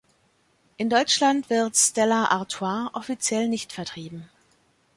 In Deutschland wird Stella Artois offiziell nicht vertrieben.